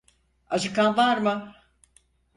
Acıkan var mı?